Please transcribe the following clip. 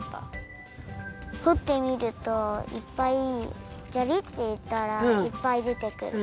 ほってみるといっぱいジャリっていったらいっぱいでてくる。